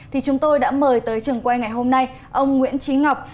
thì chúng tôi đã mời tới trường quay ngày hôm nay ông nguyễn trí ngọc